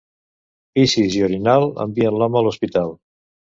Vicis i orinal envien l'home a l'hospital.